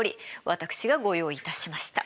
私がご用意いたしました。